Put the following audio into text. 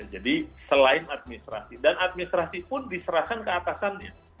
jadi selain administrasi dan administrasi pun diserahkan keatasannya